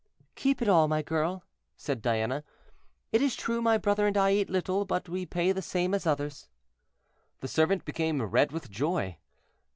"Keep it all, my girl," said Diana; "it is true my brother and I eat little, but we pay the same as others." The servant became red with joy.